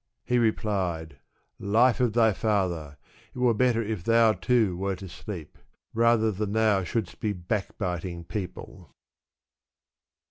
He replied, life of thy father ! it were better if thou, too, wert asleep ; rather than thou shouldst be backbiting peo ple."